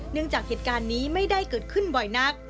จากเหตุการณ์นี้ไม่ได้เกิดขึ้นบ่อยนัก